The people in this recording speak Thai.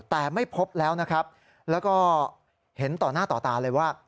แต่ไม่พบแล้วนะครับแล้วก็เห็นต่อหน้าต่อตาเลยว่า